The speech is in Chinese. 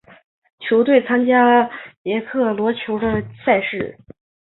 球队参加捷克足球甲级联赛的赛事。